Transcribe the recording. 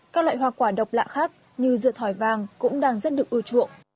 các loại hoa quả độc lạ khác như rửa thỏi vàng cũng đang rất được ưa chuộng